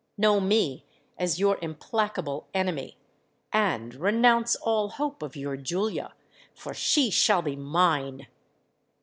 Know me as your implacable enemy; and renounce all hope of your Julia—for she shall be mine!'